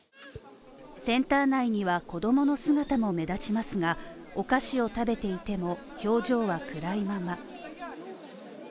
センター内には子供の姿も目立ちますが、お菓子を食べていても、表情は暗いまま。